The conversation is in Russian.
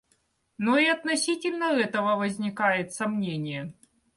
Но и относительно этого возникает сомнение.